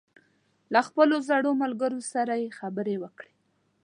له خپلو زړو ملګرو سره یې خبرې وکړې.